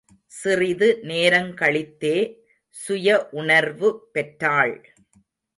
சிறிது நேரங்கழித்தே சுய உணர்வு பெற்றாள்.